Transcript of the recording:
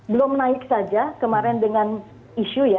belum naik saja kemarin dengan isu ya